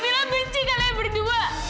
mila benci kalian berdua